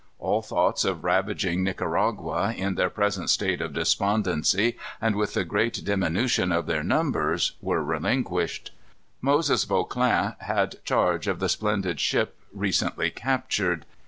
All thoughts of ravaging Nicaragua, in their present state of despondency and with the great diminution of their numbers, were relinquished. Moses Vauclin had charge of the splendid ship recently captured.